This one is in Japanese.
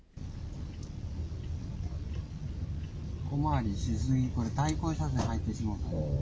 小回りし過ぎ、これ、対向車線入ってしまってる。